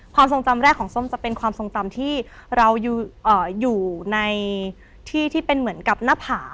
ความทรงจำแรกของส้มจะเป็นความทรงจำที่เราอยู่ในที่ที่เป็นเหมือนกับหน้าผา